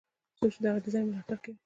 څوک چې دغه ډیزاین ملاتړ کوي.